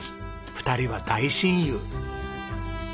２人は大親友。